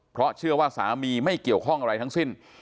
เพราะเชื่อว่าสามีไม่เกี่ยวข้องอะไรทั้งสิ้น